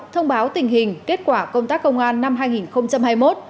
thông báo tình hình kết quả công tác công an năm hai nghìn hai mươi một